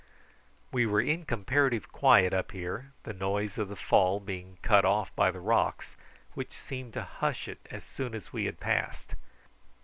We were in comparative quiet up here, the noise of the fall being cut off by the rocks, which seemed to hush it as soon as we had passed.